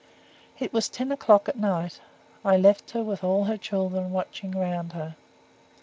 It was ten o'clock at night. I left her with all her children watching round her.